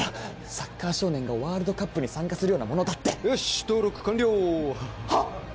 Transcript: サッカー少年がワールドカップに参加するようなものだってよし登録完了はっ？